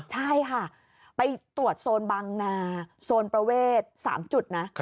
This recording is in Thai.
ใช่ค่ะไปตรวจโซนบางนาโซนประเวท๓จุดนะ